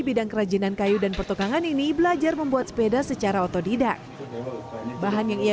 bidang kerajinan kayu dan pertukangan ini belajar membuat sepeda secara otodidak bahan yang ia